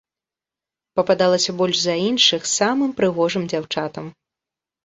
Пападалася больш за іншых самым прыгожым дзяўчатам.